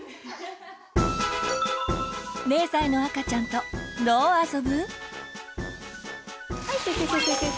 ０歳の赤ちゃんとどう遊ぶ？